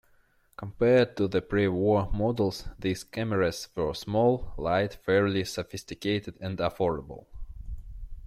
Compared to the pre-war models, these cameras were small, light, fairly sophisticated and affordable.